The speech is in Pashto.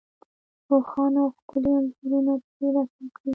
روښانه او ښکلي انځورونه پرې رسم کړي.